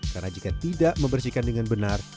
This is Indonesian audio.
karena jika tidak membersihkan dengan benar